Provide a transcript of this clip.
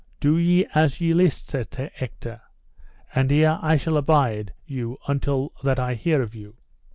Do ye as ye list, said Sir Ector, and here I shall abide you until that I hear of you.